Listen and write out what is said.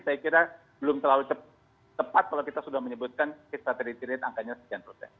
saya kira belum terlalu tepat kalau kita sudah menyebutkan case fatality rate angkanya sekian persen